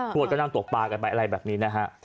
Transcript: วดก็นั่งตกปลากันไปอะไรแบบนี้นะฮะ